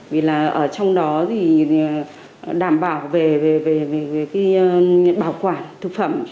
vì là ở trong đó thì đảm bảo về cái bảo quản thực phẩm